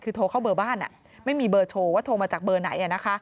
คือโทรเข้าเบอร์บ้านไม่มีเบอร์โชว์ว่าโทรมาจากเบอร์ไหน